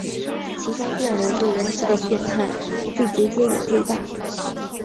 其中电流对人体的损害最直接也最大。